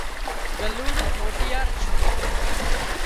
ڳلُوڙون موٽيار ڇُون